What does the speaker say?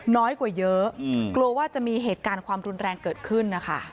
น้อยกว่าเยอะกลัวว่าจะมีเหตุการณ์ความรุนแรงเกิดขึ้นนะคะ